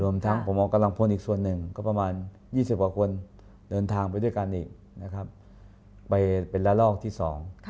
ทั้งผมเอากำลังพลอีกส่วนหนึ่งก็ประมาณยี่สิบกว่าคนเดินทางไปด้วยกันอีกนะครับไปเป็นละลอกที่สอง